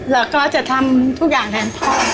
แล้วก็จะทำทุกอย่างแทนพ่อ